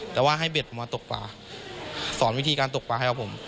แต่ว่าให้เบ็ดผมมาตกปลาสอนวิธีการตกปลาให้กับผม